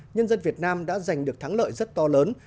nhân dân việt nam đã giành được thắng lợi rất to lớn